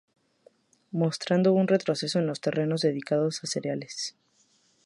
Mostrando un retroceso en los terrenos dedicados a cereales.